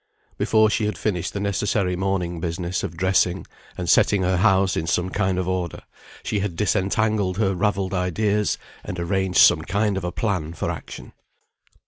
Before she had finished the necessary morning business of dressing, and setting her house in some kind of order, she had disentangled her ravelled ideas, and arranged some kind of a plan for action.